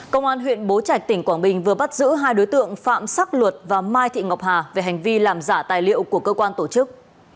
công an huyện bố trạch tỉnh quảng bình vừa bắt giữ hai đối tượng phạm sắc luật và mai thị ngọc hà về hành vi làm giả tài liệu của cơ quan tổ chức